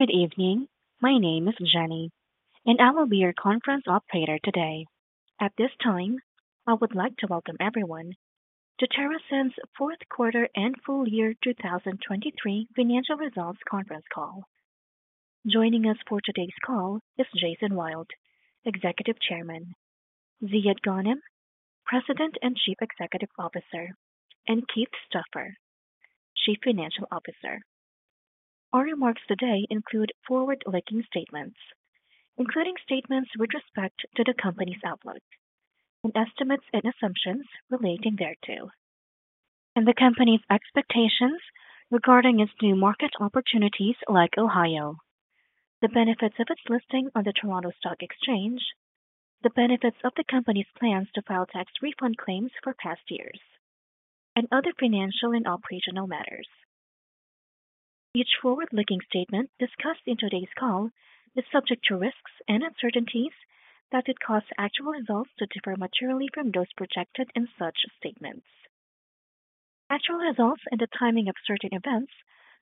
Good evening, my name is Jenny, and I will be your conference operator today. At this time, I would like to welcome everyone to TerrAscend's fourth quarter and full year 2023 financial results conference call. Joining us for today's call is Jason Wild, Executive Chairman, Ziad Ghanem, President and Chief Executive Officer, and Keith Stauffer, Chief Financial Officer. Our remarks today include forward-looking statements, including statements with respect to the company's outlook and estimates and assumptions relating thereto, and the company's expectations regarding its new market opportunities like Ohio, the benefits of its listing on the Toronto Stock Exchange, the benefits of the company's plans to file tax refund claims for past years, and other financial and operational matters. Each forward-looking statement discussed in today's call is subject to risks and uncertainties that could cause actual results to differ materially from those projected in such statements. Actual results and the timing of certain events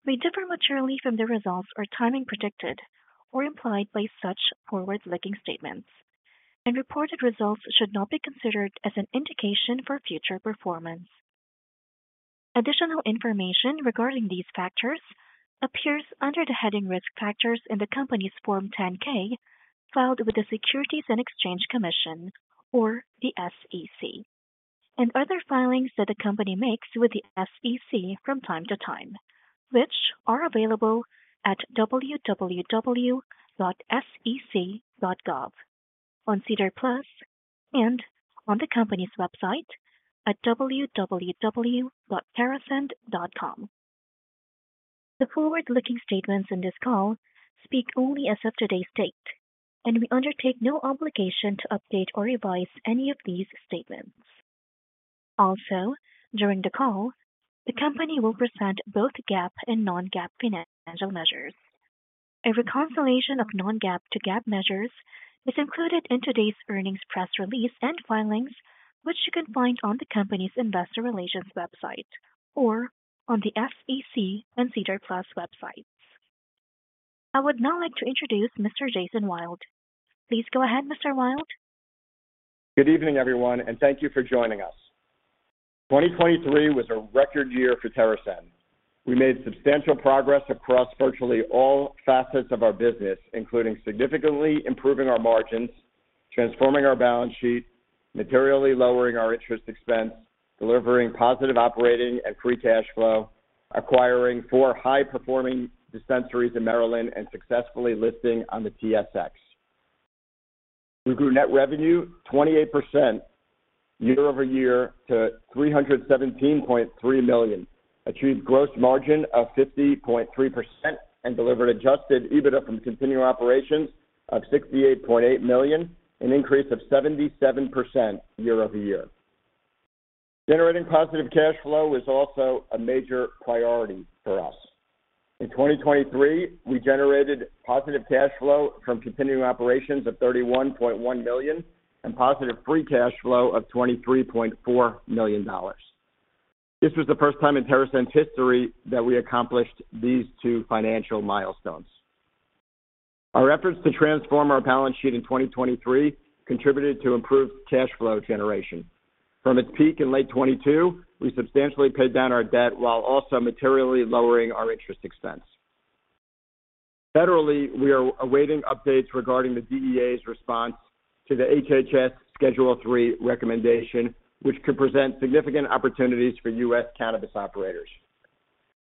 may differ materially from the results or timing predicted or implied by such forward-looking statements, and reported results should not be considered as an indication for future performance. Additional information regarding these factors appears under the heading Risk Factors in the company's Form 10-K filed with the Securities and Exchange Commission, or the SEC, and other filings that the company makes with the SEC from time to time, which are available at www.sec.gov on SEDAR+ and on the company's website at www.terrascend.com. The forward-looking statements in this call speak only as of today's date, and we undertake no obligation to update or revise any of these statements. Also, during the call, the company will present both GAAP and non-GAAP financial measures. A reconciliation of non-GAAP to GAAP measures is included in today's earnings press release and filings, which you can find on the company's investor relations website or on the SEC and SEDAR+ websites. I would now like to introduce Mr. Jason Wild. Please go ahead, Mr. Wild. Good evening, everyone, and thank you for joining us. 2023 was a record year for TerrAscend. We made substantial progress across virtually all facets of our business, including significantly improving our margins, transforming our balance sheet, materially lowering our interest expense, delivering positive operating and free cash flow, acquiring four high-performing dispensaries in Maryland, and successfully listing on the TSX. We grew net revenue 28% year-over-year to $317.3 million, achieved gross margin of 50.3%, and delivered Adjusted EBITDA from continuing operations of $68.8 million, an increase of 77% year-over-year. Generating positive cash flow was also a major priority for us. In 2023, we generated positive cash flow from continuing operations of $31.1 million and positive free cash flow of $23.4 million. This was the first time in TerrAscend's history that we accomplished these two financial milestones. Our efforts to transform our balance sheet in 2023 contributed to improved cash flow generation. From its peak in late 2022, we substantially paid down our debt while also materially lowering our interest expense. Federally, we are awaiting updates regarding the DEA's response to the HHS Schedule III recommendation, which could present significant opportunities for U.S. cannabis operators.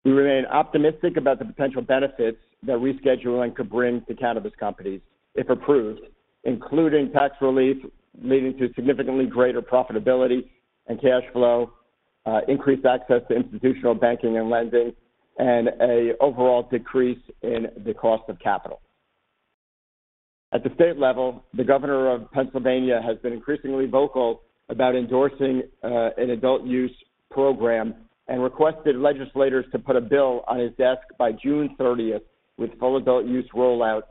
We remain optimistic about the potential benefits that rescheduling could bring to cannabis companies, if approved, including tax relief leading to significantly greater profitability and cash flow, increased access to institutional banking and lending, and an overall decrease in the cost of capital. At the state level, the Governor of Pennsylvania has been increasingly vocal about endorsing an adult use program and requested legislators to put a bill on his desk by June 30th, with full adult use rollout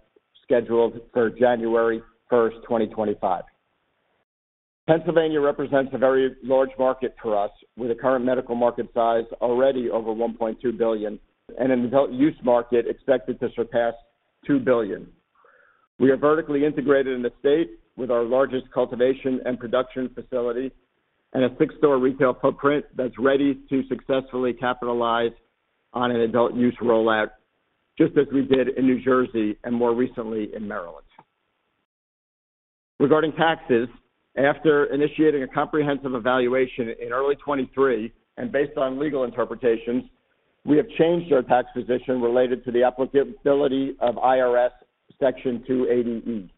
scheduled for January 1st, 2025. Pennsylvania represents a very large market for us, with a current medical market size already over $1.2 billion and an adult use market expected to surpass $2 billion. We are vertically integrated in the state with our largest cultivation and production facility and a six-store retail footprint that's ready to successfully capitalize on an adult use rollout, just as we did in New Jersey and more recently in Maryland. Regarding taxes, after initiating a comprehensive evaluation in early 2023 and based on legal interpretations, we have changed our tax position related to the applicability of IRS Section 280E,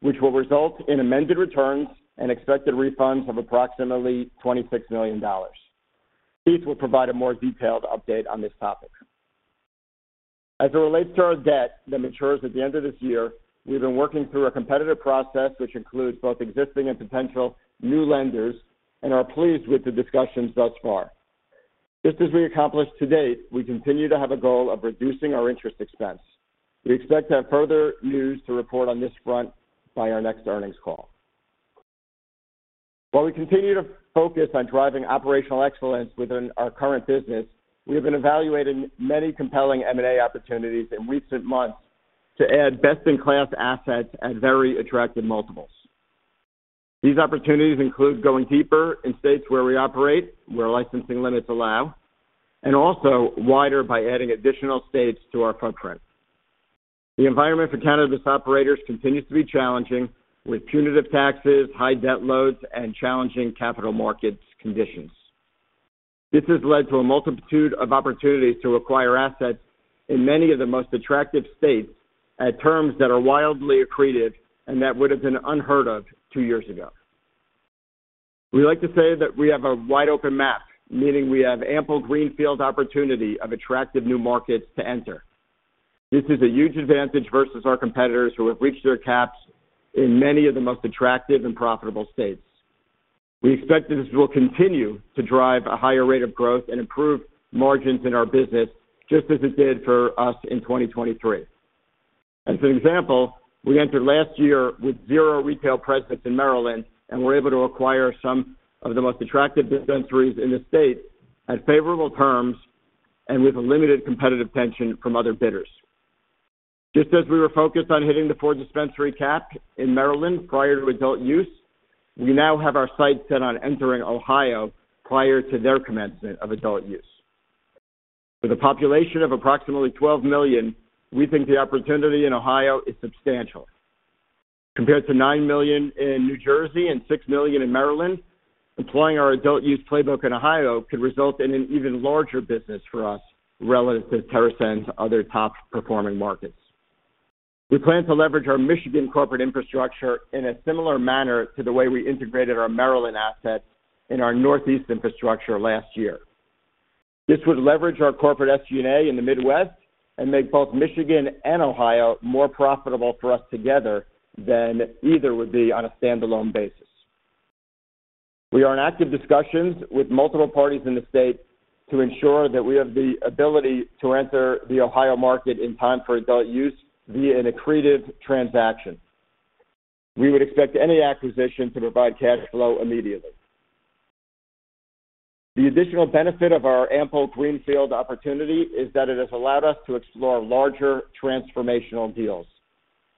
which will result in amended returns and expected refunds of approximately $26 million. Keith will provide a more detailed update on this topic. As it relates to our debt that matures at the end of this year, we've been working through a competitive process which includes both existing and potential new lenders and are pleased with the discussions thus far. Just as we accomplished to date, we continue to have a goal of reducing our interest expense. We expect to have further news to report on this front by our next earnings call. While we continue to focus on driving operational excellence within our current business, we have been evaluating many compelling M&A opportunities in recent months to add best-in-class assets at very attractive multiples. These opportunities include going deeper in states where we operate, where licensing limits allow, and also wider by adding additional states to our footprint. The environment for cannabis operators continues to be challenging, with punitive taxes, high debt loads, and challenging capital markets conditions. This has led to a multitude of opportunities to acquire assets in many of the most attractive states at terms that are wildly accretive and that would have been unheard of two years ago. We like to say that we have a wide open map, meaning we have ample greenfield opportunity of attractive new markets to enter. This is a huge advantage versus our competitors who have reached their caps in many of the most attractive and profitable states. We expect that this will continue to drive a higher rate of growth and improve margins in our business, just as it did for us in 2023. As an example, we entered last year with zero retail presence in Maryland, and we're able to acquire some of the most attractive dispensaries in the state at favorable terms and with limited competitive tension from other bidders. Just as we were focused on hitting the four dispensary cap in Maryland prior to adult use, we now have our sights set on entering Ohio prior to their commencement of adult use. With a population of approximately 12 million, we think the opportunity in Ohio is substantial. Compared to 9 million in New Jersey and 6 million in Maryland, employing our adult use playbook in Ohio could result in an even larger business for us relative to TerrAscend's other top-performing markets. We plan to leverage our Michigan corporate infrastructure in a similar manner to the way we integrated our Maryland assets in our Northeast infrastructure last year. This would leverage our corporate synergy in the Midwest and make both Michigan and Ohio more profitable for us together than either would be on a standalone basis. We are in active discussions with multiple parties in the state to ensure that we have the ability to enter the Ohio market in time for adult use via an accretive transaction. We would expect any acquisition to provide cash flow immediately. The additional benefit of our ample greenfield opportunity is that it has allowed us to explore larger transformational deals.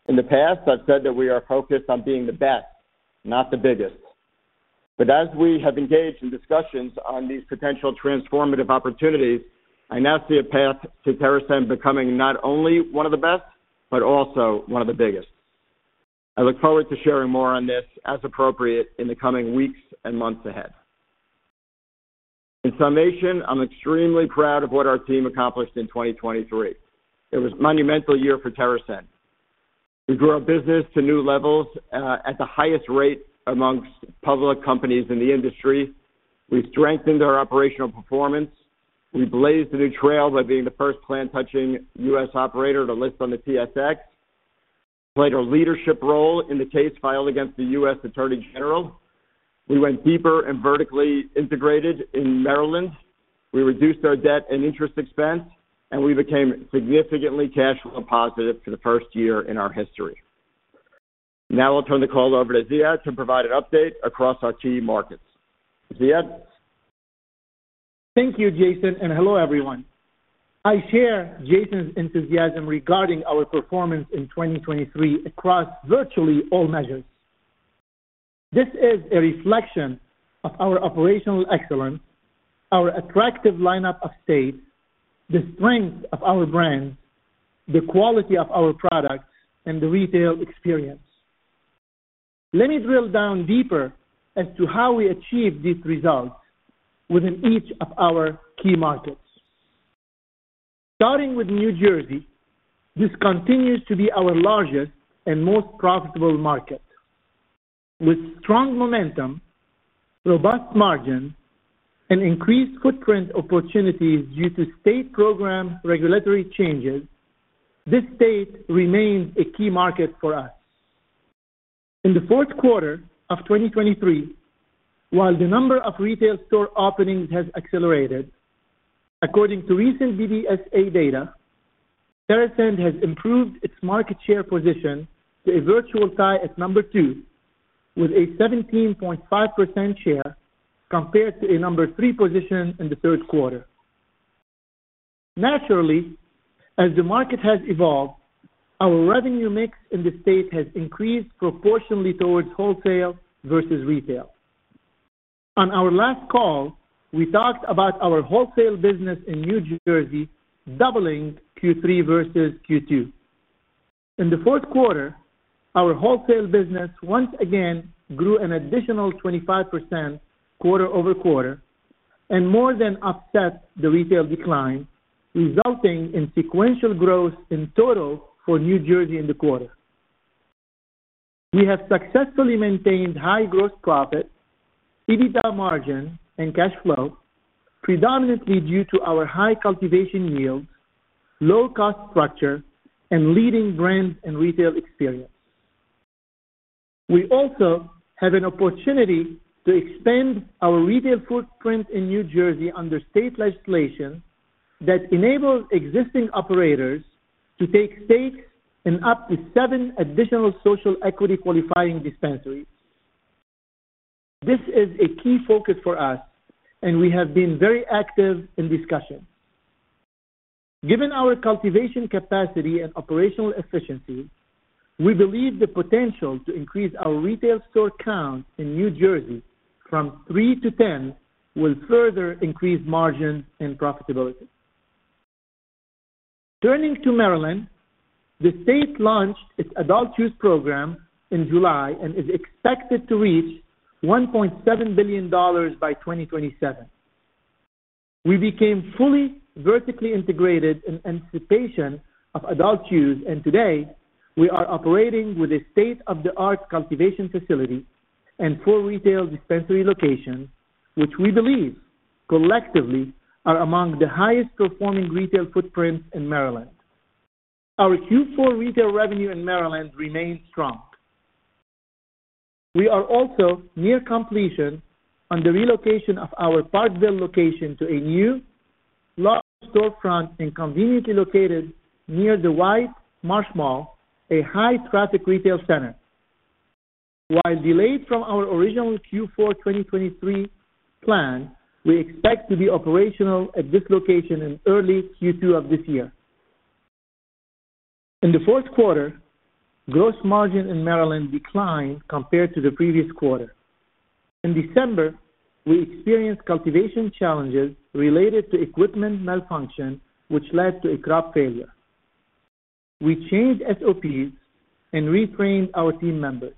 In the past, I've said that we are focused on being the best, not the biggest. But as we have engaged in discussions on these potential transformative opportunities, I now see a path to TerrAscend becoming not only one of the best but also one of the biggest. I look forward to sharing more on this as appropriate in the coming weeks and months ahead. In summation, I'm extremely proud of what our team accomplished in 2023. It was a monumental year for TerrAscend. We grew our business to new levels at the highest rate among public companies in the industry. We strengthened our operational performance. We blazed a new trail by being the first plant-touching U.S. operator to list on the TSX. We played a leadership role in the case filed against the U.S. Attorney General. We went deeper and vertically integrated in Maryland. We reduced our debt and interest expense, and we became significantly cash flow positive for the first year in our history. Now I'll turn the call over to Ziad to provide an update across our key markets. Ziad? Thank you, Jason, and hello everyone. I share Jason's enthusiasm regarding our performance in 2023 across virtually all measures. This is a reflection of our operational excellence, our attractive lineup of states, the strength of our brands, the quality of our products, and the retail experience. Let me drill down deeper as to how we achieved these results within each of our key markets. Starting with New Jersey, this continues to be our largest and most profitable market. With strong momentum, robust margins, and increased footprint opportunities due to state program regulatory changes, this state remains a key market for us. In the fourth quarter of 2023, while the number of retail store openings has accelerated, according to recent BDSA data, TerrAscend has improved its market share position to a virtual tie at number two with a 17.5% share compared to a number three position in the third quarter. Naturally, as the market has evolved, our revenue mix in the state has increased proportionally towards wholesale versus retail. On our last call, we talked about our wholesale business in New Jersey doubling Q3 versus Q2. In the fourth quarter, our wholesale business once again grew an additional 25% quarter-over-quarter and more than offset the retail decline, resulting in sequential growth in total for New Jersey in the quarter. We have successfully maintained high gross profit, EBITDA margin, and cash flow, predominantly due to our high cultivation yields, low cost structure, and leading brand and retail experience. We also have an opportunity to expand our retail footprint in New Jersey under state legislation that enables existing operators to take stakes in up to seven additional social equity qualifying dispensaries. This is a key focus for us, and we have been very active in discussion. Given our cultivation capacity and operational efficiency, we believe the potential to increase our retail store count in New Jersey from 3-10 will further increase margins and profitability. Turning to Maryland, the state launched its adult use program in July and is expected to reach $1.7 billion by 2027. We became fully vertically integrated in anticipation of adult use, and today, we are operating with a state-of-the-art cultivation facility and four retail dispensary locations, which we believe collectively are among the highest performing retail footprints in Maryland. Our Q4 retail revenue in Maryland remains strong. We are also near completion on the relocation of our Parkville location to a new, large storefront and conveniently located near the White Marsh Mall, a high-traffic retail center. While delayed from our original Q4 2023 plan, we expect to be operational at this location in early Q2 of this year. In the fourth quarter, gross margin in Maryland declined compared to the previous quarter. In December, we experienced cultivation challenges related to equipment malfunction, which led to a crop failure. We changed SOPs and retrained our team members.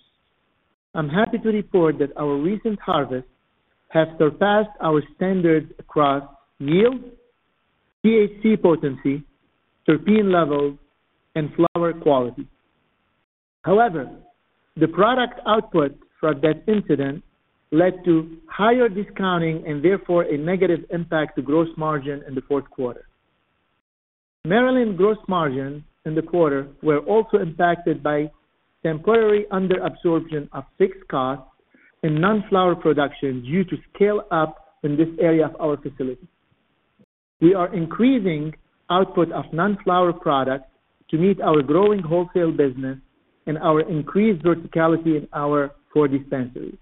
I'm happy to report that our recent harvests have surpassed our standards across yield, THC potency, terpene levels, and flower quality. However, the product output from that incident led to higher discounting and therefore a negative impact to gross margin in the fourth quarter. Maryland gross margin in the quarter were also impacted by temporary underabsorption of fixed costs in non-flower production due to scale-up in this area of our facility. We are increasing output of non-flower products to meet our growing wholesale business and our increased verticality in our four dispensaries.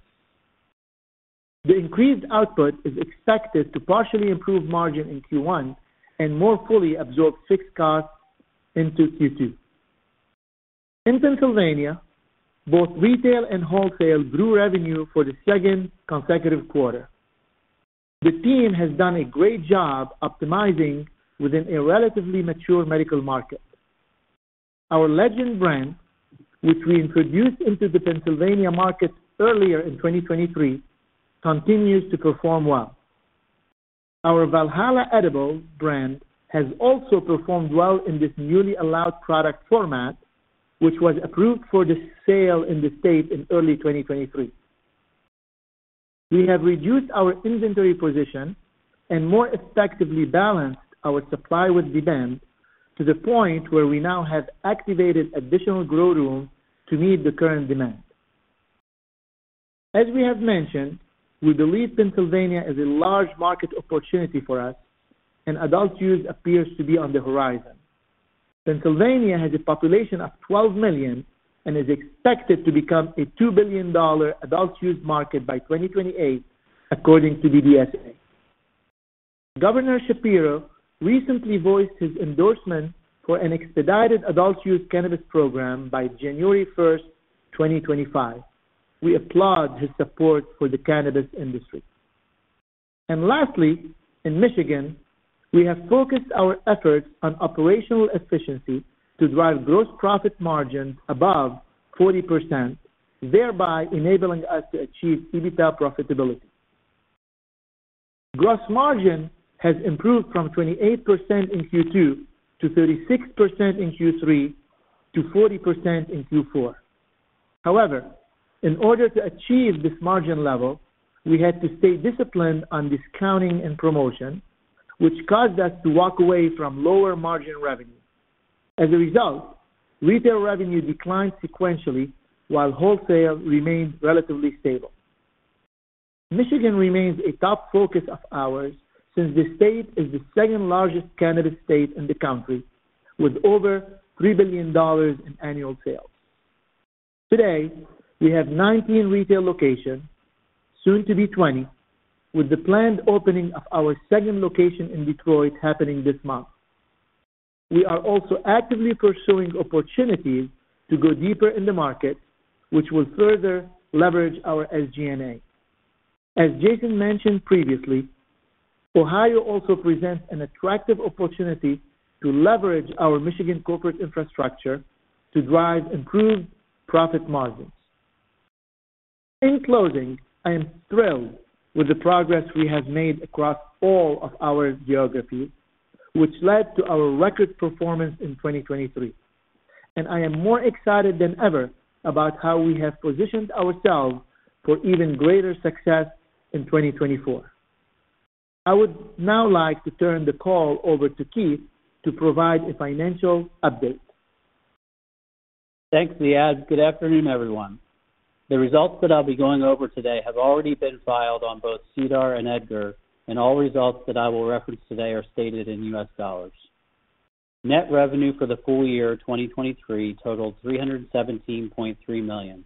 The increased output is expected to partially improve margin in Q1 and more fully absorb fixed costs into Q2. In Pennsylvania, both retail and wholesale grew revenue for the second consecutive quarter. The team has done a great job optimizing within a relatively mature medical market. Our Legend brand, which we introduced into the Pennsylvania market earlier in 2023, continues to perform well. Our Valhalla edible brand has also performed well in this newly allowed product format, which was approved for the sale in the state in early 2023. We have reduced our inventory position and more effectively balanced our supply with demand to the point where we now have activated additional grow room to meet the current demand. As we have mentioned, we believe Pennsylvania is a large market opportunity for us, and adult use appears to be on the horizon. Pennsylvania has a population of 12 million and is expected to become a $2 billion adult use market by 2028, according to BDSA. Governor Shapiro recently voiced his endorsement for an expedited adult use cannabis program by January 1st, 2025. We applaud his support for the cannabis industry. Lastly, in Michigan, we have focused our efforts on operational efficiency to drive gross profit margins above 40%, thereby enabling us to achieve EBITDA profitability. Gross margin has improved from 28% in Q2 to 36% in Q3 to 40% in Q4. However, in order to achieve this margin level, we had to stay disciplined on discounting and promotion, which caused us to walk away from lower margin revenue. As a result, retail revenue declined sequentially while wholesale remained relatively stable. Michigan remains a top focus of ours since the state is the second-largest cannabis state in the country with over $3 billion in annual sales. Today, we have 19 retail locations, soon to be 20, with the planned opening of our second location in Detroit happening this month. We are also actively pursuing opportunities to go deeper in the market, which will further leverage our SG&A. As Jason mentioned previously, Ohio also presents an attractive opportunity to leverage our Michigan corporate infrastructure to drive improved profit margins. In closing, I am thrilled with the progress we have made across all of our geographies, which led to our record performance in 2023. And I am more excited than ever about how we have positioned ourselves for even greater success in 2024. I would now like to turn the call over to Keith to provide a financial update. Thanks, Ziad. Good afternoon, everyone. The results that I'll be going over today have already been filed on both SEDAR+ and EDGAR, and all results that I will reference today are stated in U.S. dollars. Net revenue for the full year 2023 totaled $317.3 million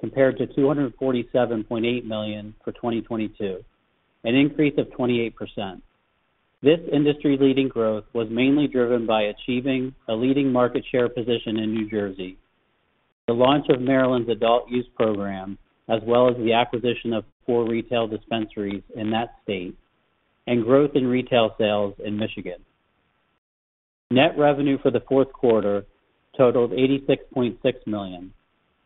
compared to $247.8 million for 2022, an increase of 28%. This industry-leading growth was mainly driven by achieving a leading market share position in New Jersey, the launch of Maryland's adult use program as well as the acquisition of four retail dispensaries in that state, and growth in retail sales in Michigan. Net revenue for the fourth quarter totaled $86.6 million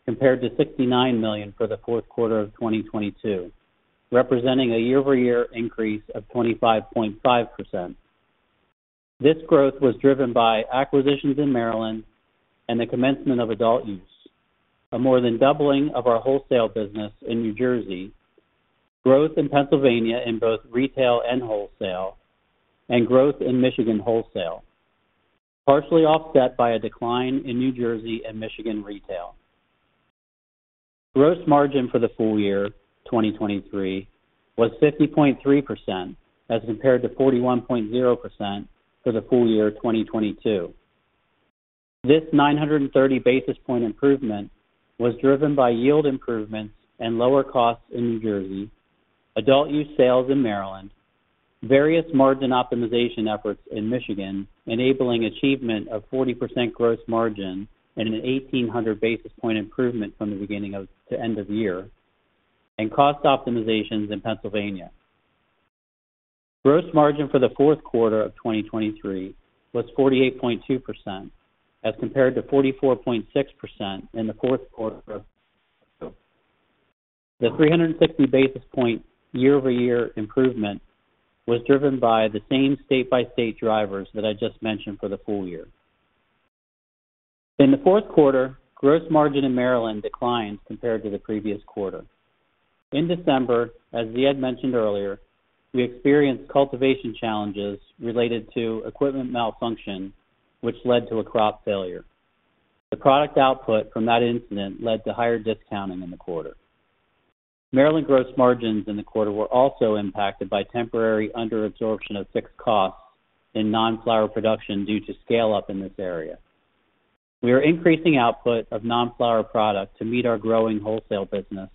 compared to $69 million for the fourth quarter of 2022, representing a year-over-year increase of 25.5%. This growth was driven by acquisitions in Maryland and the commencement of adult use, a more than doubling of our wholesale business in New Jersey, growth in Pennsylvania in both retail and wholesale, and growth in Michigan wholesale, partially offset by a decline in New Jersey and Michigan retail. Gross margin for the full year 2023 was 50.3% as compared to 41.0% for the full year 2022. This 930 basis point improvement was driven by yield improvements and lower costs in New Jersey, adult use sales in Maryland, various margin optimization efforts in Michigan enabling achievement of 40% gross margin and an 1,800 basis point improvement from the beginning to end of year, and cost optimizations in Pennsylvania. Gross margin for the fourth quarter of 2023 was 48.2% as compared to 44.6% in the fourth quarter. The 360 basis point year-over-year improvement was driven by the same state-by-state drivers that I just mentioned for the full year. In the fourth quarter, gross margin in Maryland declined compared to the previous quarter. In December, as Ziad mentioned earlier, we experienced cultivation challenges related to equipment malfunction, which led to a crop failure. The product output from that incident led to higher discounting in the quarter. Maryland gross margins in the quarter were also impacted by temporary underabsorption of fixed costs in non-flower production due to scale-up in this area. We are increasing output of non-flower product to meet our growing wholesale business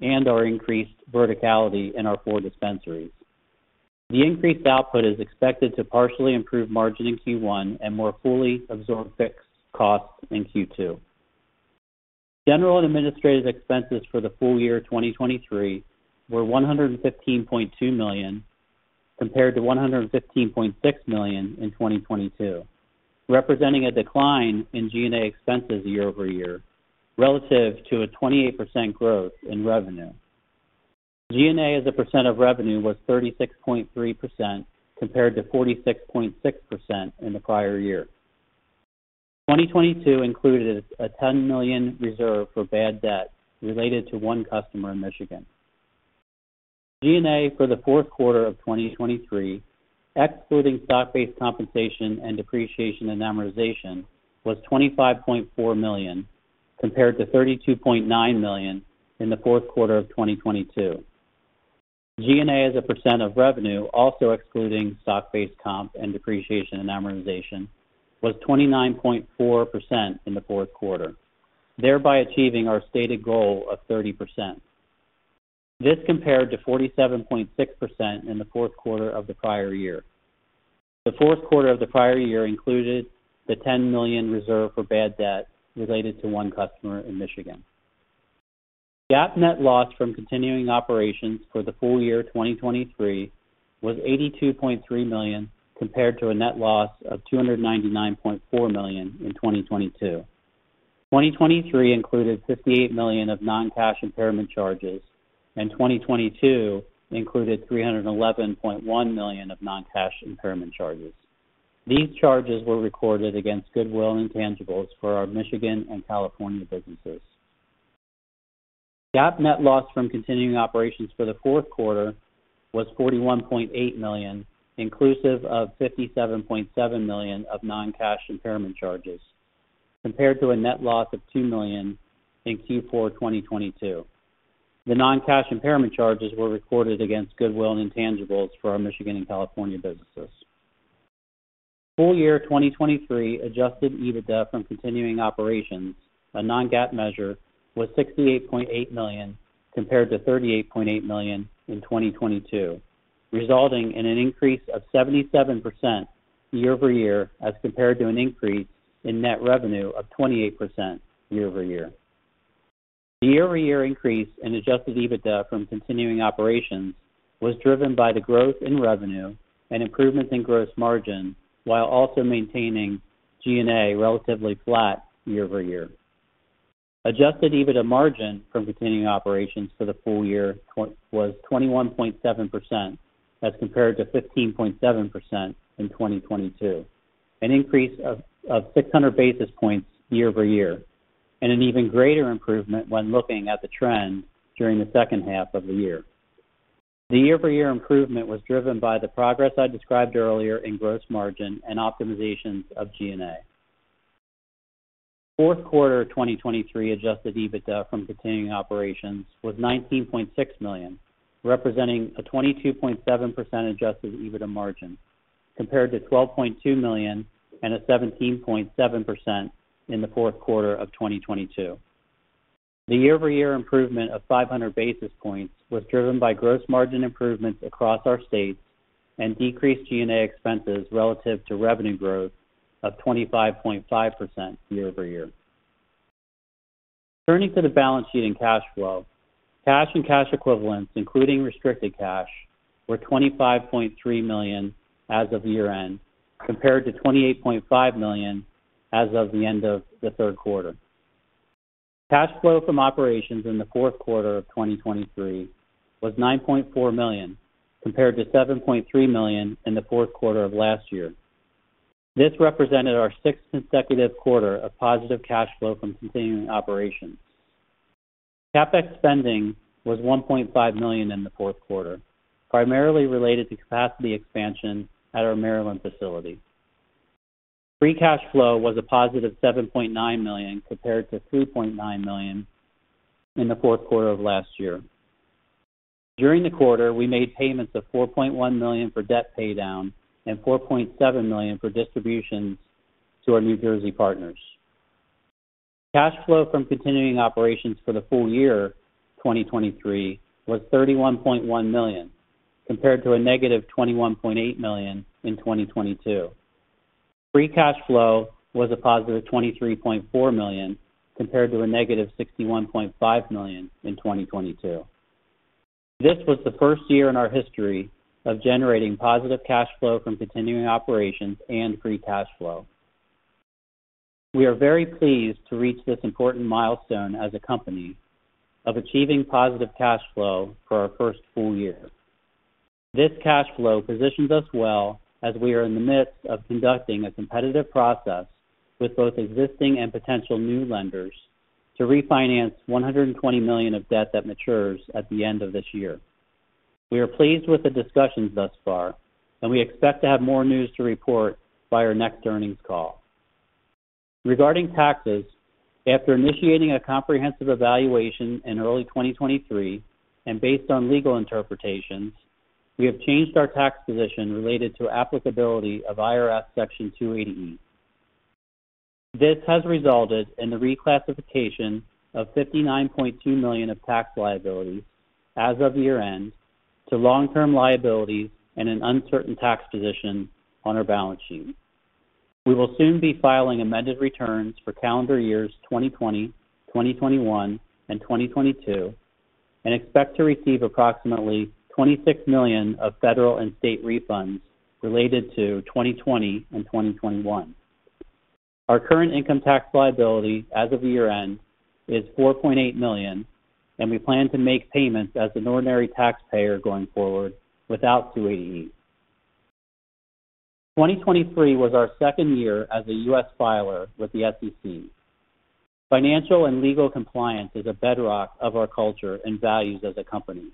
and our increased verticality in our four dispensaries. The increased output is expected to partially improve margin in Q1 and more fully absorb fixed costs in Q2. General and administrative expenses for the full year 2023 were $115.2 million compared to $115.6 million in 2022, representing a decline in G&A expenses year-over-year relative to a 28% growth in revenue. G&A as a percent of revenue was 36.3% compared to 46.6% in the prior year. 2022 included a $10 million reserve for bad debt related to one customer in Michigan. G&A for the fourth quarter of 2023, excluding stock-based compensation and depreciation and amortization, was $25.4 million compared to $32.9 million in the fourth quarter of 2022. G&A as a percent of revenue, also excluding stock-based comp and depreciation and amortization, was 29.4% in the fourth quarter, thereby achieving our stated goal of 30%. This compared to 47.6% in the fourth quarter of the prior year. The fourth quarter of the prior year included the $10 million reserve for bad debt related to one customer in Michigan. GAAP net loss from continuing operations for the full year 2023 was $82.3 million compared to a net loss of $299.4 million in 2022. 2023 included $58 million of non-cash impairment charges, and 2022 included $311.1 million of non-cash impairment charges. These charges were recorded against goodwill and intangibles for our Michigan and California businesses. GAAP net loss from continuing operations for the fourth quarter was $41.8 million, inclusive of $57.7 million of non-cash impairment charges, compared to a net loss of $2 million in Q4 2022. The non-cash impairment charges were recorded against goodwill and intangibles for our Michigan and California businesses. Full year 2023 Adjusted EBITDA from continuing operations, a non-GAAP measure, was $68.8 million compared to $38.8 million in 2022, resulting in an increase of 77% year-over-year as compared to an increase in net revenue of 28% year-over-year. The year-over-year increase in adjusted EBITDA from continuing operations was driven by the growth in revenue and improvements in gross margin while also maintaining G&A relatively flat year-over-year. Adjusted EBITDA margin from continuing operations for the full year was 21.7% as compared to 15.7% in 2022, an increase of 600 basis points year-over-year, and an even greater improvement when looking at the trend during the second half of the year. The year-over-year improvement was driven by the progress I described earlier in gross margin and optimizations of G&A. Fourth quarter 2023 adjusted EBITDA from continuing operations was $19.6 million, representing a 22.7% adjusted EBITDA margin compared to $12.2 million and a 17.7% in the fourth quarter of 2022. The year-over-year improvement of 500 basis points was driven by gross margin improvements across our states and decreased G&A expenses relative to revenue growth of 25.5% year-over-year. Turning to the balance sheet and cash flow, cash and cash equivalents, including restricted cash, were $25.3 million as of year-end compared to $28.5 million as of the end of the third quarter. Cash flow from operations in the fourth quarter of 2023 was $9.4 million compared to $7.3 million in the fourth quarter of last year. This represented our sixth consecutive quarter of positive cash flow from continuing operations. CapEx spending was $1.5 million in the fourth quarter, primarily related to capacity expansion at our Maryland facility. Free cash flow was a positive $7.9 million compared to $3.9 million in the fourth quarter of last year. During the quarter, we made payments of $4.1 million for debt paydown and $4.7 million for distributions to our New Jersey partners. Cash flow from continuing operations for the full year 2023 was $31.1 million compared to a negative $21.8 million in 2022. Free cash flow was a positive $23.4 million compared to a negative $61.5 million in 2022. This was the first year in our history of generating positive cash flow from continuing operations and free cash flow. We are very pleased to reach this important milestone as a company of achieving positive cash flow for our first full year. This cash flow positions us well as we are in the midst of conducting a competitive process with both existing and potential new lenders to refinance $120 million of debt that matures at the end of this year. We are pleased with the discussions thus far, and we expect to have more news to report by our next earnings call. Regarding taxes, after initiating a comprehensive evaluation in early 2023 and based on legal interpretations, we have changed our tax position related to applicability of IRS Section 280E. This has resulted in the reclassification of $59.2 million of tax liabilities as of year-end to long-term liabilities and an uncertain tax position on our balance sheet. We will soon be filing amended returns for calendar years 2020, 2021, and 2022 and expect to receive approximately $26 million of federal and state refunds related to 2020 and 2021. Our current income tax liability as of year-end is $4.8 million, and we plan to make payments as an ordinary taxpayer going forward without 280E. 2023 was our second year as a U.S. filer with the SEC. Financial and legal compliance is a bedrock of our culture and values as a company.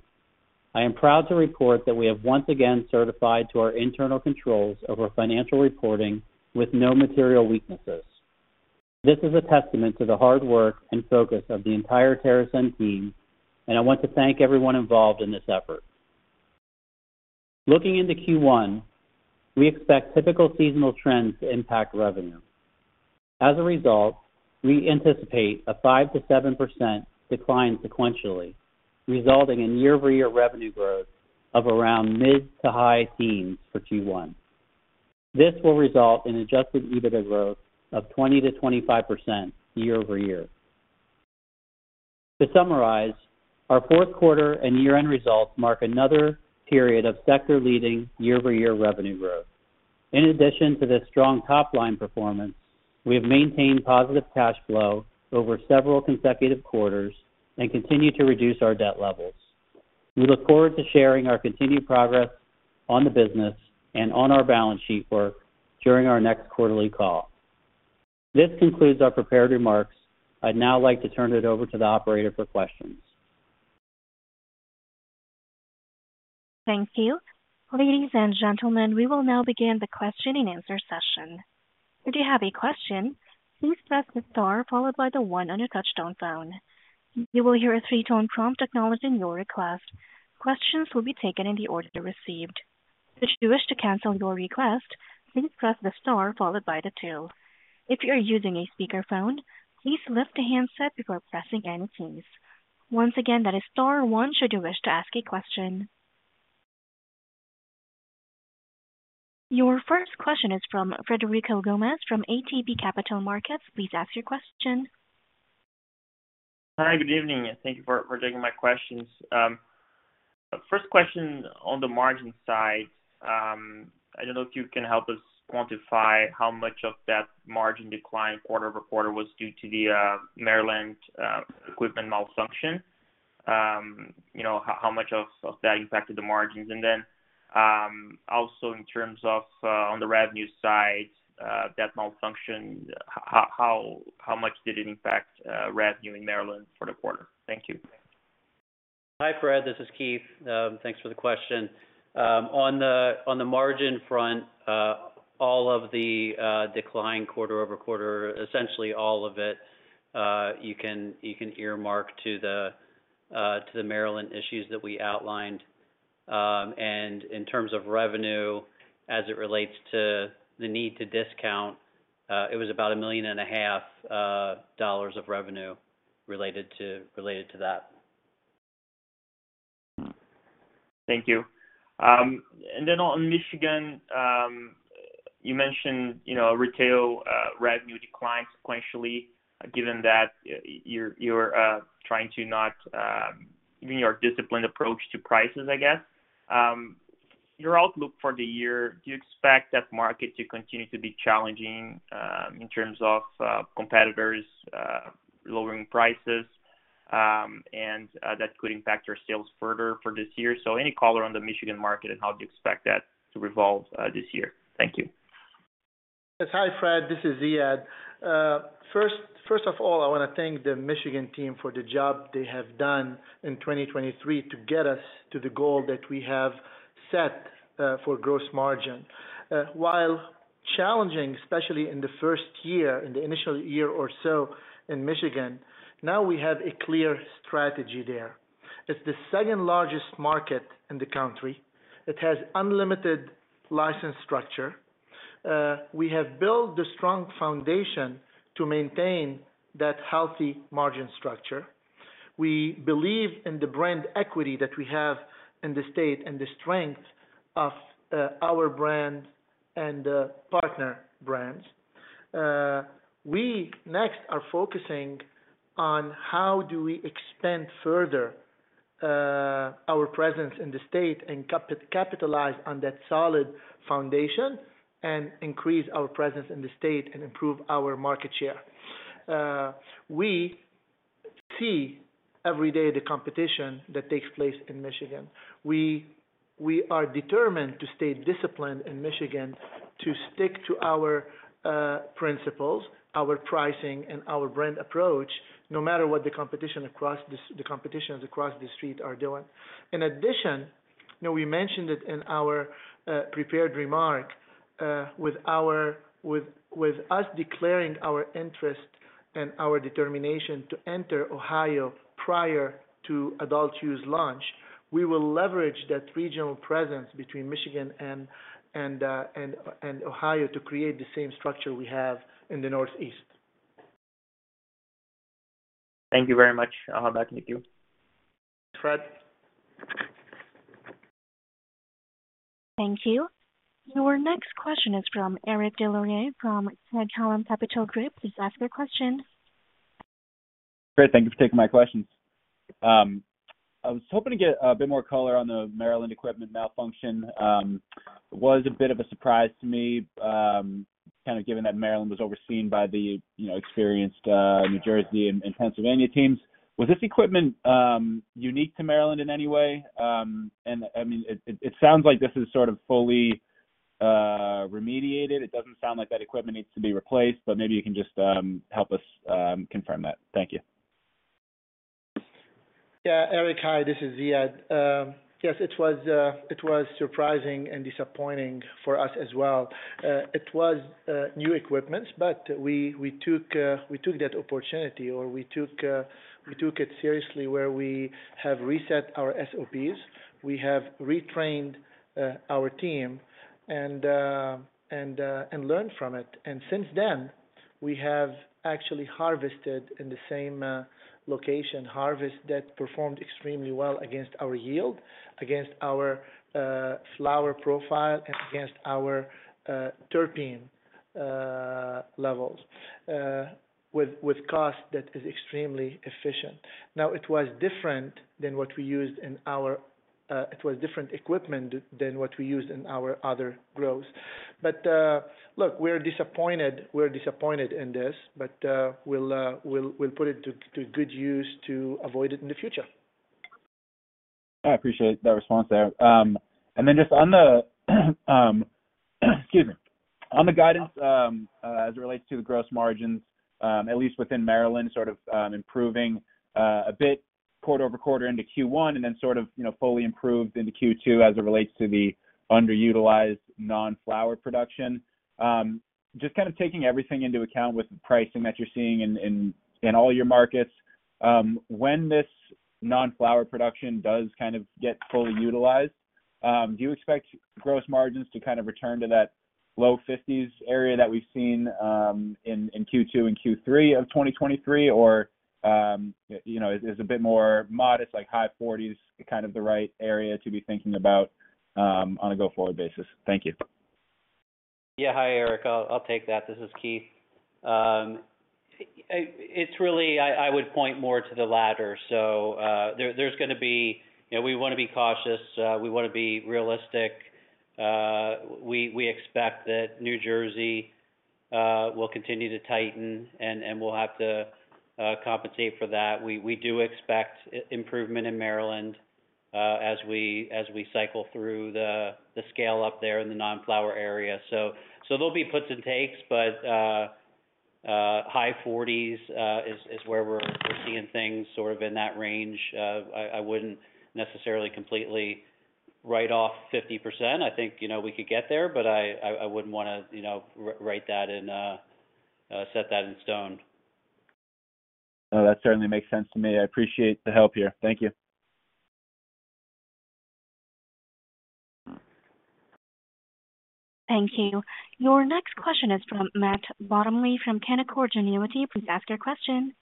I am proud to report that we have once again certified to our internal controls over financial reporting with no material weaknesses. This is a testament to the hard work and focus of the entire TerrAscend team, and I want to thank everyone involved in this effort. Looking into Q1, we expect typical seasonal trends to impact revenue. As a result, we anticipate a 5%-7% decline sequentially, resulting in year-over-year revenue growth of around mid to high teens for Q1. This will result in adjusted EBITDA growth of 20%-25% year-over-year. To summarize, our fourth quarter and year-end results mark another period of sector-leading year-over-year revenue growth. In addition to this strong top-line performance, we have maintained positive cash flow over several consecutive quarters and continue to reduce our debt levels. We look forward to sharing our continued progress on the business and on our balance sheet work during our next quarterly call. This concludes our prepared remarks. I'd now like to turn it over to the operator for questions. Thank you. Ladies and gentlemen, we will now begin the question-and-answer session. If you have a question, please press the star followed by the 1 on your touch-tone phone. You will hear a three-tone prompt acknowledging your request. Questions will be taken in the order received. Should you wish to cancel your request, please press the star followed by the 2. If you are using a speakerphone, please lift the handset before pressing any keys. Once again, that is star 1 should you wish to ask a question. Your first question is from Frederico Gomes from ATB Capital Markets. Please ask your question. Hi, good evening. Thank you for taking my questions. First question on the margin side, I don't know if you can help us quantify how much of that margin decline quarter-over-quarter was due to the Maryland equipment malfunction, how much of that impacted the margins. Then also in terms of on the revenue side, that malfunction, how much did it impact revenue in Maryland for the quarter? Thank you. Hi, Fred. This is Keith. Thanks for the question. On the margin front, all of the decline quarter-over-quarter, essentially all of it, you can earmark to the Maryland issues that we outlined. And in terms of revenue as it relates to the need to discount, it was about $1.5 million of revenue related to that. Thank you. Then on Michigan, you mentioned retail revenue declined sequentially. Given that you're trying to maintain your disciplined approach to prices, I guess, your outlook for the year, do you expect that market to continue to be challenging in terms of competitors lowering prices, and that could impact your sales further for this year? So any color on the Michigan market, and how do you expect that to evolve this year? Thank you. Yes. Hi, Fred. This is Ziad. First of all, I want to thank the Michigan team for the job they have done in 2023 to get us to the goal that we have set for gross margin. While challenging, especially in the first year, in the initial year or so in Michigan, now we have a clear strategy there. It's the second largest market in the country. It has unlimited license structure. We have built the strong foundation to maintain that healthy margin structure. We believe in the brand equity that we have in the state and the strength of our brand and partner brands. We next are focusing on how do we expand further our presence in the state and capitalize on that solid foundation and increase our presence in the state and improve our market share. We see every day the competition that takes place in Michigan. We are determined to stay disciplined in Michigan, to stick to our principles, our pricing, and our brand approach, no matter what the competitions across the street are doing. In addition, we mentioned it in our prepared remark, with us declaring our interest and our determination to enter Ohio prior to adult use launch. We will leverage that regional presence between Michigan and Ohio to create the same structure we have in the Northeast. Thank you very much. I'll hand back to you, Fred. Thank you. Your next question is from Eric Des Lauriers from Craig-Hallum Capital Group. Please ask your question. Great. Thank you for taking my questions. I was hoping to get a bit more color on the Maryland equipment malfunction. It was a bit of a surprise to me, kind of given that Maryland was overseen by the experienced New Jersey and Pennsylvania teams. Was this equipment unique to Maryland in any way? And I mean, it sounds like this is sort of fully remediated. It doesn't sound like that equipment needs to be replaced, but maybe you can just help us confirm that. Thank you. Yeah. Eric, hi. This is Ziad. Yes, it was surprising and disappointing for us as well. It was new equipment, but we took that opportunity, or we took it seriously where we have reset our SOPs. We have retrained our team and learned from it. And since then, we have actually harvested in the same location, harvest that performed extremely well against our yield, against our flower profile, and against our terpene levels with cost that is extremely efficient. Now, it was different than what we used in our it was different equipment than what we used in our other grows. But look, we're disappointed. We're disappointed in this, but we'll put it to good use to avoid it in the future. I appreciate that response there. And then just on the guidance as it relates to the gross margins, at least within Maryland, sort of improving a bit quarter-over-quarter into Q1 and then sort of fully improved into Q2 as it relates to the underutilized non-flower production, just kind of taking everything into account with the pricing that you're seeing in all your markets, when this non-flower production does kind of get fully utilized, do you expect gross margins to kind of return to that low 50s area that we've seen in Q2 and Q3 of 2023, or is a bit more modest, like high 40s, kind of the right area to be thinking about on a go-forward basis? Thank you. Yeah. Hi, Eric. I'll take that. This is Keith. I would point more to the latter. So there's going to be we want to be cautious. We want to be realistic. We expect that New Jersey will continue to tighten, and we'll have to compensate for that. We do expect improvement in Maryland as we cycle through the scale up there in the non-flower area. So there'll be puts and takes, but high 40s is where we're seeing things sort of in that range. I wouldn't necessarily completely write off 50%. I think we could get there, but I wouldn't want to write that and set that in stone. No, that certainly makes sense to me. I appreciate the help here. Thank you. Thank you. Your next question is from Matt Bottomley from Canaccord Genuity. Please ask your question.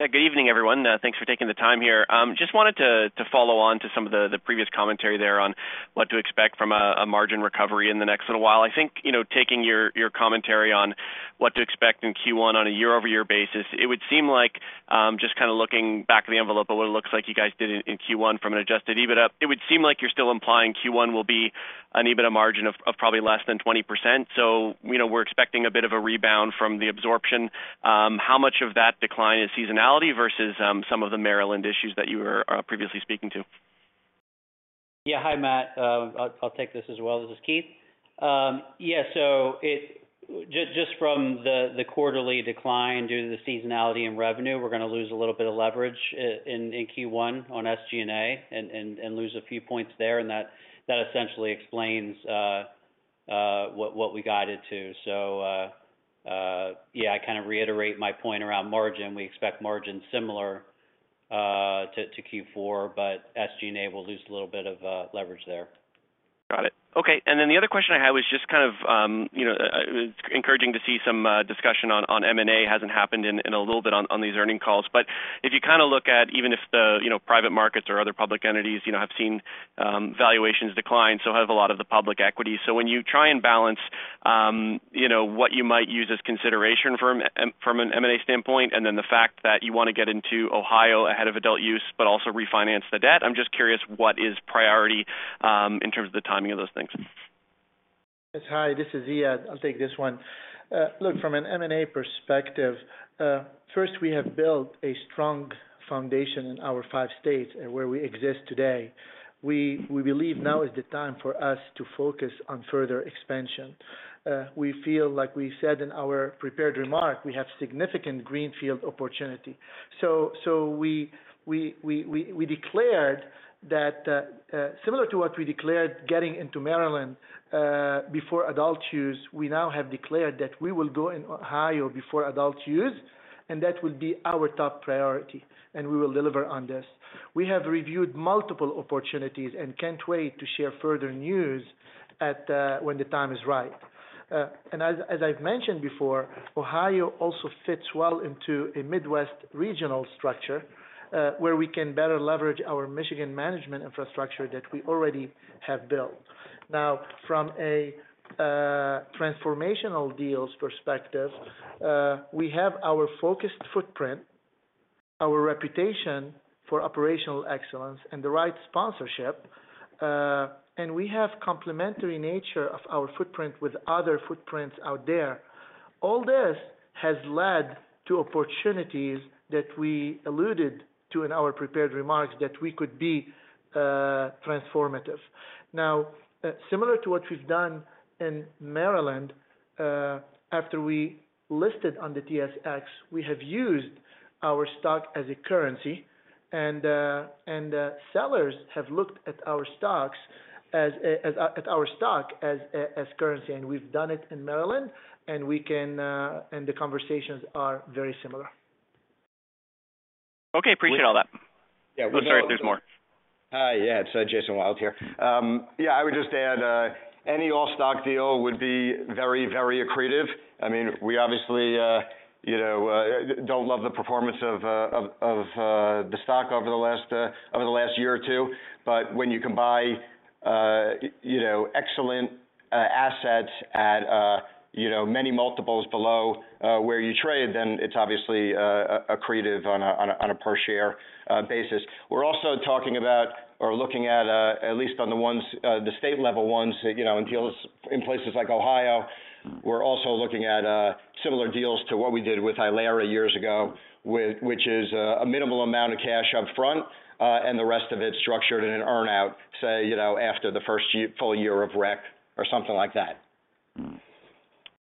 Yeah. Good evening, everyone. Thanks for taking the time here. Just wanted to follow on to some of the previous commentary there on what to expect from a margin recovery in the next little while. I think taking your commentary on what to expect in Q1 on a year-over-year basis, it would seem like just kind of looking back at the envelope of what it looks like you guys did in Q1 from an Adjusted EBITDA, it would seem like you're still implying Q1 will be an EBITDA margin of probably less than 20%. So we're expecting a bit of a rebound from the absorption. How much of that decline is seasonality versus some of the Maryland issues that you were previously speaking to? Yeah. Hi, Matt. I'll take this as well. This is Keith. Yeah. So just from the quarterly decline due to the seasonality and revenue, we're going to lose a little bit of leverage in Q1 on SG&A and lose a few points there. And that essentially explains what we got it to. So yeah, I kind of reiterate my point around margin. We expect margin similar to Q4, but SG&A will lose a little bit of leverage there. Got it. Okay. And then the other question I had was just kind of encouraging to see some discussion on M&A. It hasn't happened in a little bit on these earnings calls. But if you kind of look at even if the private markets or other public entities have seen valuations decline, so have a lot of the public equity. So when you try and balance what you might use as consideration from an M&A standpoint and then the fact that you want to get into Ohio ahead of adult use but also refinance the debt, I'm just curious what is priority in terms of the timing of those things. Yes. Hi. This is Ziad. I'll take this one. Look, from an M&A perspective, first, we have built a strong foundation in our five states where we exist today. We believe now is the time for us to focus on further expansion. We feel like we said in our prepared remark, we have significant greenfield opportunity. So we declared that similar to what we declared getting into Maryland before adult use, we now have declared that we will go in Ohio before adult use, and that will be our top priority, and we will deliver on this. We have reviewed multiple opportunities and can't wait to share further news when the time is right. And as I've mentioned before, Ohio also fits well into a Midwest regional structure where we can better leverage our Michigan management infrastructure that we already have built. Now, from a transformational deals perspective, we have our focused footprint, our reputation for operational excellence, and the right sponsorship. We have complementary nature of our footprint with other footprints out there. All this has led to opportunities that we alluded to in our prepared remarks, that we could be transformative. Now, similar to what we've done in Maryland, after we listed on the TSX, we have used our stock as a currency, and sellers have looked at our stock as currency. We've done it in Maryland, and the conversations are very similar. Okay. Appreciate all that. I'm sorry if there's more. Hi, yeah. It's Jason Wild here. Yeah. I would just add any all-stock deal would be very, very accretive. I mean, we obviously don't love the performance of the stock over the last year or two. But when you can buy excellent assets at many multiples below where you trade, then it's obviously accretive on a per-share basis. We're also talking about or looking at, at least on the state-level ones, in deals in places like Ohio, we're also looking at similar deals to what we did with Ilera years ago, which is a minimal amount of cash upfront and the rest of it structured in an earnout, say, after the first full year of rec or something like that.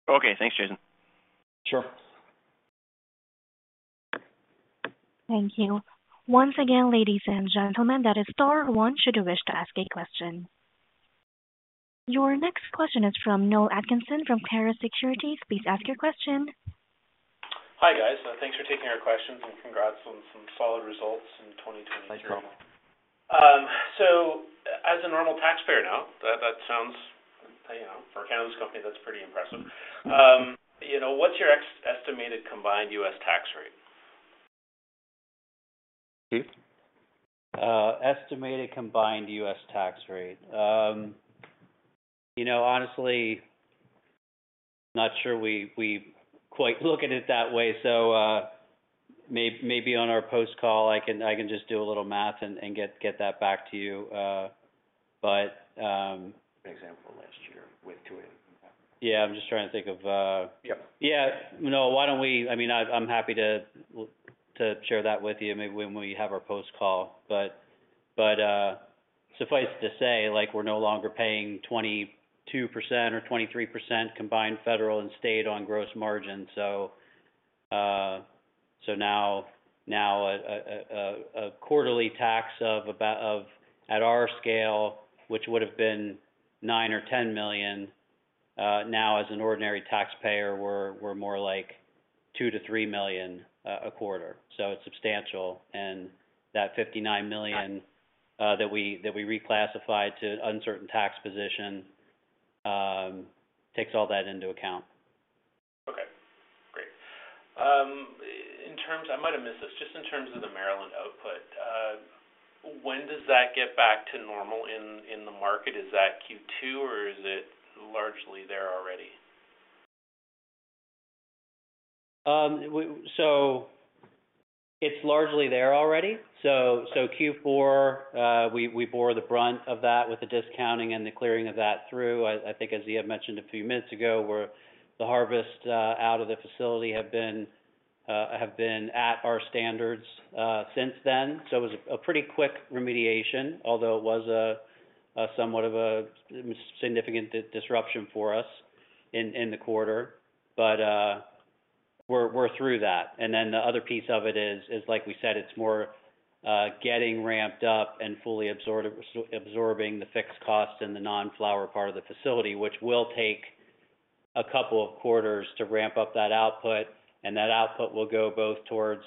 Okay. Thanks, Jason. Sure. Thank you. Once again, ladies and gentlemen, that is star one. Should you wish to ask a question? Your next question is from Noel Atkinson from Clarus Securities. Please ask your question. Hi, guys. Thanks for taking our questions, and congrats on some solid results in 2023. No problem. As a normal taxpayer now, that sounds for a Canadian company, that's pretty impressive. What's your estimated combined U.S. tax rate? Keith? Estimated combined U.S. tax rate. Honestly, not sure we quite look at it that way. So maybe on our post-call, I can just do a little math and get that back to you. But. Example last year with Trulieve. Yeah. I'm just trying to think of. Yep. Yeah. No, why don't we, I mean, I'm happy to share that with you maybe when we have our post-call. But suffice it to say, we're no longer paying 22% or 23% combined federal and state on gross margin. So now a quarterly tax of at our scale, which would have been $9 million or $10 million, now as an ordinary taxpayer, we're more like $2 million-$3 million a quarter. So it's substantial. That $59 million that we reclassified to an uncertain tax position takes all that into account. Okay. Great. I might have missed this. Just in terms of the Maryland output, when does that get back to normal in the market? Is that Q2, or is it largely there already? So it's largely there already. So Q4, we bore the brunt of that with the discounting and the clearing of that through. I think, as Ziad mentioned a few minutes ago, the harvest out of the facility have been at our standards since then. So it was a pretty quick remediation, although it was somewhat of a significant disruption for us in the quarter. But we're through that. And then the other piece of it is, like we said, it's more getting ramped up and fully absorbing the fixed costs and the non-flower part of the facility, which will take a couple of quarters to ramp up that output. And that output will go both towards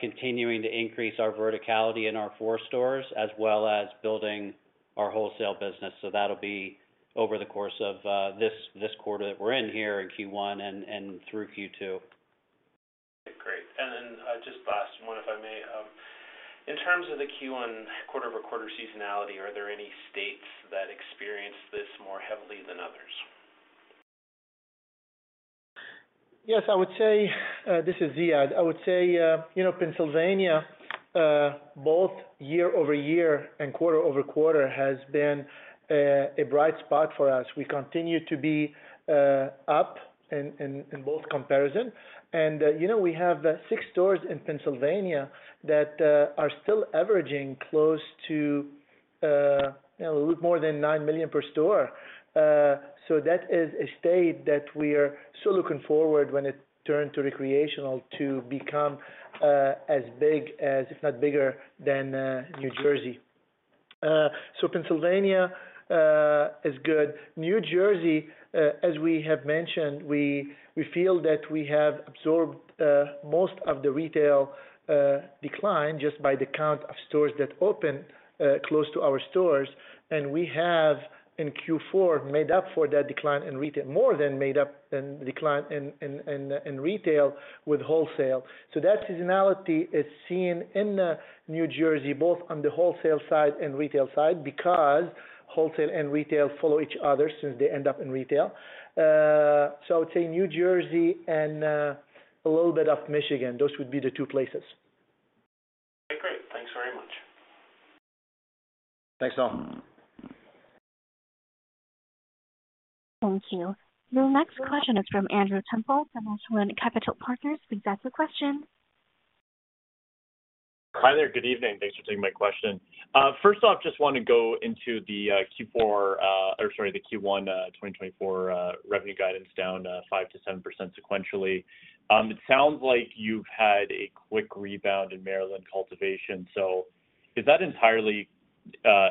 continuing to increase our verticality in our 4 stores as well as building our wholesale business. So that'll be over the course of this quarter that we're in here in Q1 and through Q2. Okay. Great. Then just last one, if I may. In terms of the Q1 quarter-over-quarter seasonality, are there any states that experience this more heavily than others? Yes. This is Ziad. I would say Pennsylvania, both year-over-year and quarter-over-quarter, has been a bright spot for us. We continue to be up in both comparisons. And we have 6 stores in Pennsylvania that are still averaging close to a little bit more than $9 million per store. So that is a state that we are so looking forward when it turns to recreational to become as big as, if not bigger, than New Jersey. So Pennsylvania is good. New Jersey, as we have mentioned, we feel that we have absorbed most of the retail decline just by the count of stores that open close to our stores. And we have, in Q4, made up for that decline in retail, more than made up the decline in retail with wholesale. That seasonality is seen in New Jersey, both on the wholesale side and retail side because wholesale and retail follow each other since they end up in retail. I would say New Jersey and a little bit of Michigan, those would be the two places. Okay. Great. Thanks very much. Thanks, all. Thank you. Your next question is from Andrew Semple from Echelon Capital Markets. Please ask your question. Hi there. Good evening. Thanks for taking my question. First off, just want to go into the Q4 or sorry, the Q1 2024 revenue guidance down 5%-7% sequentially. It sounds like you've had a quick rebound in Maryland cultivation. So is that entirely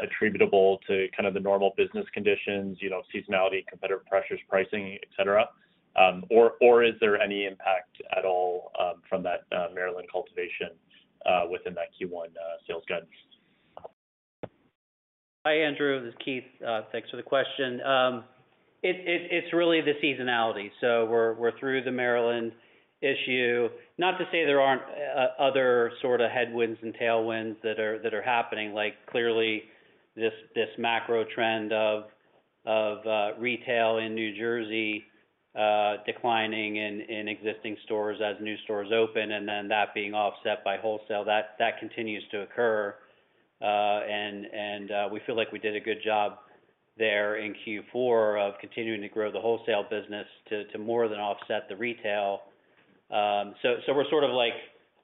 attributable to kind of the normal business conditions, seasonality, competitive pressures, pricing, etc.? Or is there any impact at all from that Maryland cultivation within that Q1 sales guidance? Hi, Andrew. This is Keith. Thanks for the question. It's really the seasonality. So we're through the Maryland issue. Not to say there aren't other sort of headwinds and tailwinds that are happening. Clearly, this macro trend of retail in New Jersey declining in existing stores as new stores open and then that being offset by wholesale, that continues to occur. And we feel like we did a good job there in Q4 of continuing to grow the wholesale business to more than offset the retail. So we're sort of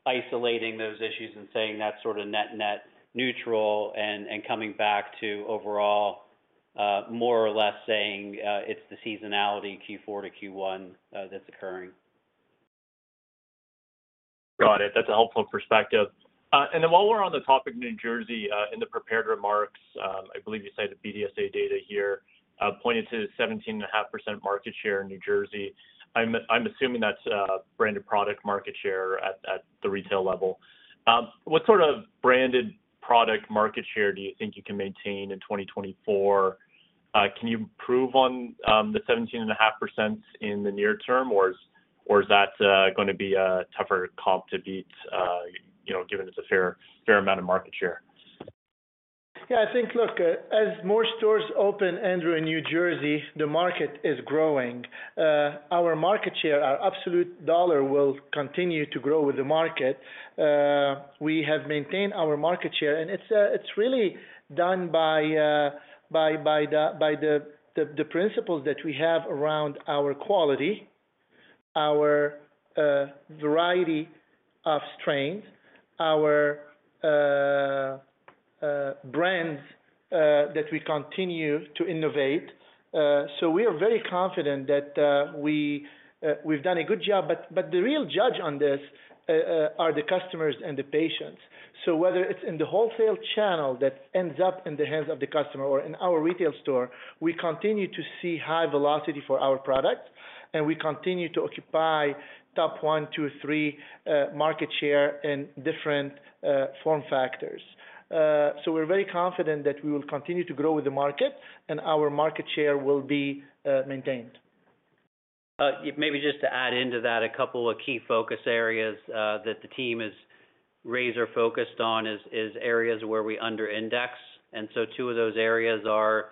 isolating those issues and saying that's sort of net-net neutral and coming back to overall more or less saying it's the seasonality Q4 to Q1 that's occurring. Got it. That's a helpful perspective. And then while we're on the topic of New Jersey in the prepared remarks, I believe you cited BDSA data here, pointed to 17.5% market share in New Jersey. I'm assuming that's branded product market share at the retail level. What sort of branded product market share do you think you can maintain in 2024? Can you prove on the 17.5% in the near term, or is that going to be a tougher comp to beat given it's a fair amount of market share? Yeah. I think, look, as more stores open, Andrew, in New Jersey, the market is growing. Our market share, our absolute dollar, will continue to grow with the market. We have maintained our market share. And it's really done by the principles that we have around our quality, our variety of strains, our brands that we continue to innovate. So we are very confident that we've done a good job. But the real judge on this are the customers and the patients. So whether it's in the wholesale channel that ends up in the hands of the customer or in our retail store, we continue to see high velocity for our products, and we continue to occupy top 1, 2, 3 market share in different form factors. So we're very confident that we will continue to grow with the market, and our market share will be maintained. Maybe just to add into that, a couple of key focus areas that the team is razor-focused on is areas where we underindex. And so two of those areas are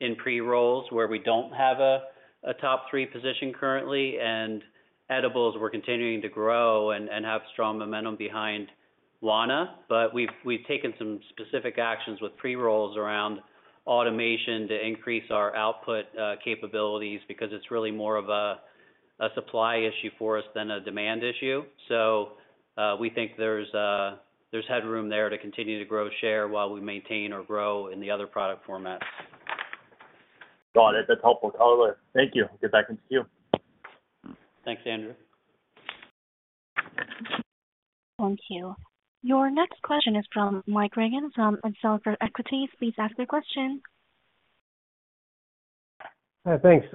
in pre-rolls where we don't have a top three position currently. And edibles, we're continuing to grow and have strong momentum behind Wana. But we've taken some specific actions with pre-rolls around automation to increase our output capabilities because it's really more of a supply issue for us than a demand issue. So we think there's headroom there to continue to grow share while we maintain or grow in the other product formats. Got it. That's helpful, color. Thank you. Get back into queue. Thanks, Andrew. Thank you. Your next question is from Mike Regan from Excelsior Equities. Please ask your question. Hi. Thanks.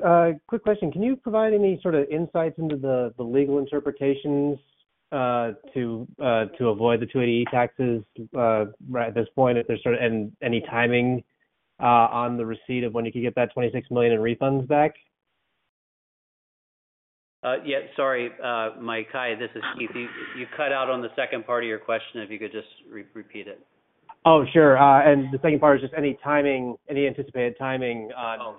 Quick question. Can you provide any sort of insights into the legal interpretations to avoid the 280E taxes right at this point, and any timing on the receipt of when you could get that $26 million in refunds back? Yeah. Sorry, Mike. Hi, this is Keith. You cut out on the second part of your question. If you could just repeat it. Oh, sure. And the second part is just any anticipated timing on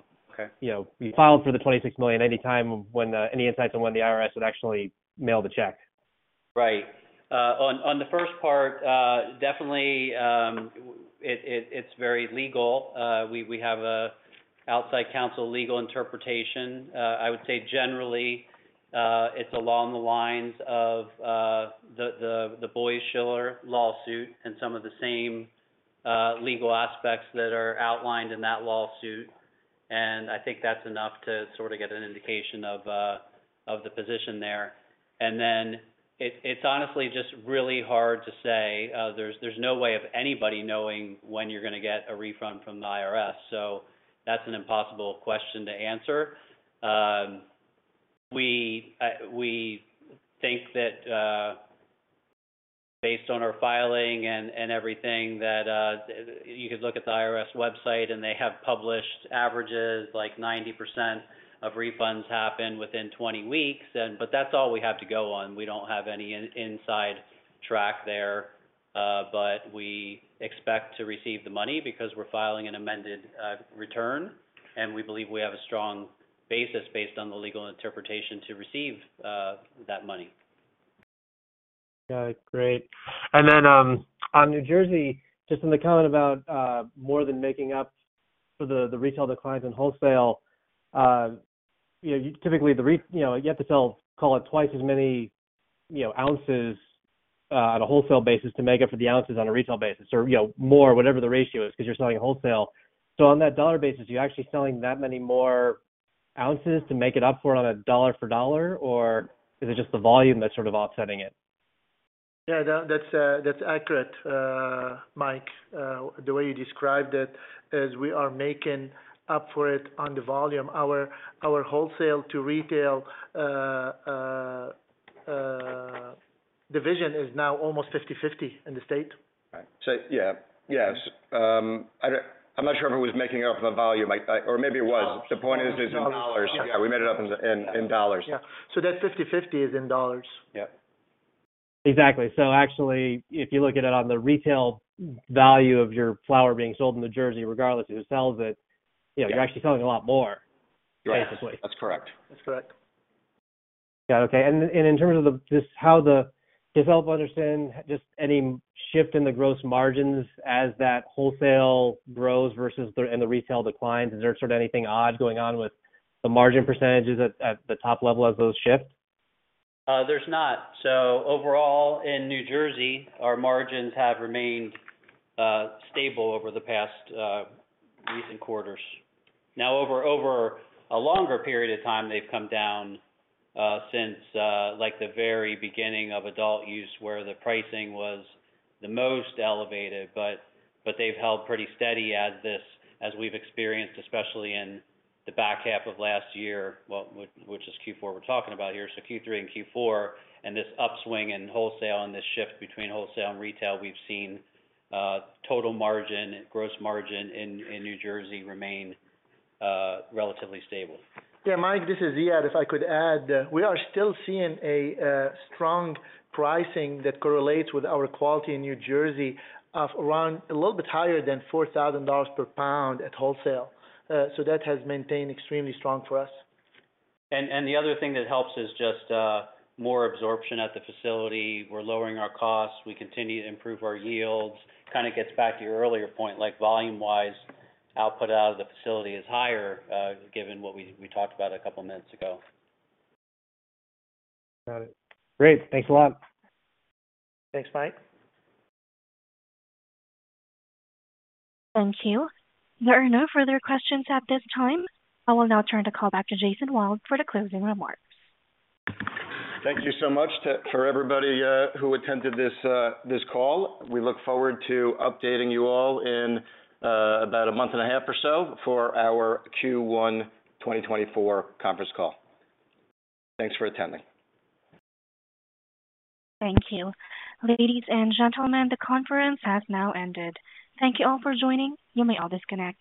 filing for the $26 million anytime when any insights on when the IRS would actually mail the check. Right. On the first part, definitely, it's very legal. We have an outside counsel legal interpretation. I would say, generally, it's along the lines of the Boies Schiller lawsuit and some of the same legal aspects that are outlined in that lawsuit. I think that's enough to sort of get an indication of the position there. Then it's honestly just really hard to say. There's no way of anybody knowing when you're going to get a refund from the IRS. So that's an impossible question to answer. We think that, based on our filing and everything, that you could look at the IRS website, and they have published averages. 90% of refunds happen within 20 weeks. That's all we have to go on. We don't have any inside track there. We expect to receive the money because we're filing an amended return. We believe we have a strong basis based on the legal interpretation to receive that money. Yeah. Great. Then on New Jersey, just in the comment about more than making up for the retail declines in wholesale, typically, you have to sell, call it, twice as many ounces on a wholesale basis to make up for the ounces on a retail basis or more, whatever the ratio is because you're selling wholesale. So on that dollar basis, are you actually selling that many more ounces to make it up for it on a dollar-for-dollar, or is it just the volume that's sort of offsetting it? Yeah. That's accurate, Mike. The way you described it, as we are making up for it on the volume, our wholesale-to-retail division is now almost 50/50 in the state. Right. Yeah. Yes. I'm not sure if it was making up the volume, or maybe it was. The point is, it's in dollars. Yeah. We made it up in dollars. Yeah. So that 50/50 is in dollars. Yeah. Exactly. So actually, if you look at it on the retail value of your flower being sold in New Jersey, regardless of who sells it, you're actually selling a lot more, basically. Right. That's correct. That's correct. Yeah. Okay. And in terms of how does that help us understand just any shift in the gross margins as that wholesale grows versus and the retail declines? Is there sort of anything odd going on with the margin percentages at the top level as those shift? There's not. So overall, in New Jersey, our margins have remained stable over the past recent quarters. Now, over a longer period of time, they've come down since the very beginning of adult use where the pricing was the most elevated. But they've held pretty steady as we've experienced, especially in the back half of last year, which is Q4 we're talking about here, so Q3 and Q4, and this upswing in wholesale and this shift between wholesale and retail, we've seen total margin, gross margin in New Jersey remain relatively stable. Yeah. Mike, this is Ziad. If I could add, we are still seeing a strong pricing that correlates with our quality in New Jersey of around a little bit higher than $4,000 per pound at wholesale. So that has maintained extremely strong for us. And the other thing that helps is just more absorption at the facility. We're lowering our costs. We continue to improve our yields. Kind of gets back to your earlier point. Volume-wise, output out of the facility is higher given what we talked about a couple of minutes ago. Got it. Great. Thanks a lot. Thanks, Mike. Thank you. There are no further questions at this time. I will now turn the call back to Jason Wild for the closing remarks. Thank you so much for everybody who attended this call. We look forward to updating you all in about a month and a half or so for our Q1 2024 conference call. Thanks for attending. Thank you. Ladies and gentlemen, the conference has now ended. Thank you all for joining. You may all disconnect.